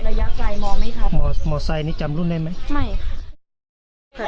ระยะไกลมองไหมค่ะหมอหมอไซค์นี้จำรุ่นได้ไหมไม่ค่ะ